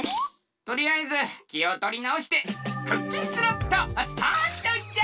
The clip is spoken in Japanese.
とりあえずきをとりなおしてクッキンスロットスタートじゃ！